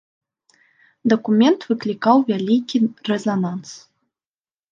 Дакумент выклікаў вялікі рэзананс.